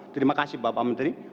terima kasih bapak menteri